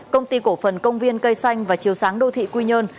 công ty cổ phần công viên cây xanh và chiều sáng đô thị quy nhơn